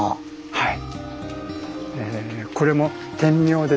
はい。